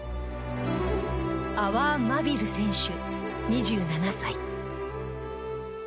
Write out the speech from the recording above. アワー・マビル選手、２７歳。